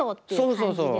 そうそうそう。